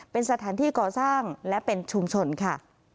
เป็นสถานที่ก่อสร้างและเป็นชุมชนค่ะ